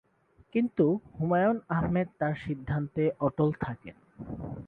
কিন্তু হুমায়ূন আহমেদ তার সিদ্ধান্তে অটল থাকেন।